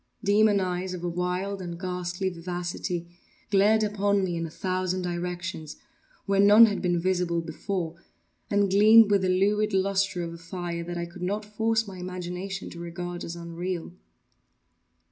Demon eyes, of a wild and ghastly vivacity, glared upon me in a thousand directions, where none had been visible before, and gleamed with the lurid lustre of a fire that I could not force my imagination to regard as unreal.